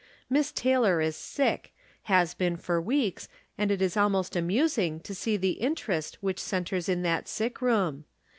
Miss Taylor is sick — ^has been for weeks, and it is almost amusing to see the interest which centers in that sick room.